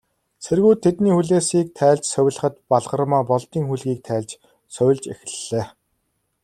Цэргүүд тэдний хүлээсийг тайлж, сувилахад, Балгармаа Болдын хүлгийг тайлж сувилж эхэллээ.